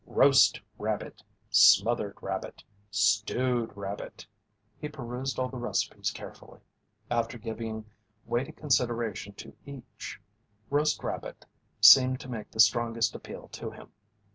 Roast rabbit. Smothered rabbit. Stewed rabbit." He perused all the recipes carefully. After giving weighty consideration to each, roast rabbit seemed to make the strongest appeal to him.